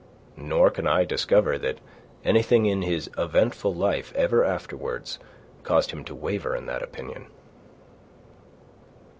Nor can I discover that anything in his eventful life ever afterwards caused him to waver in that opinion.